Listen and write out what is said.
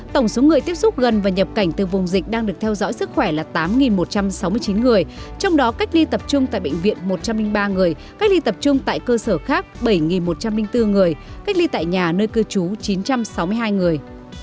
tổng số người tiếp xúc gần và nhập cảnh từ vùng dịch đang được theo dõi sức khỏe là tám một trăm sáu mươi chín người trong đó cách ly tập trung tại bệnh viện một trăm linh ba người cách ly tập trung tại cơ sở khác bảy một trăm linh bốn người cách ly tại nhà nơi cư trú chín trăm sáu mươi hai người